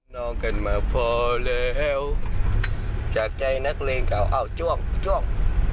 น้องกันมาพอแล้วจากใจนักเลงเก่าอ้าวจ้วงจ้วง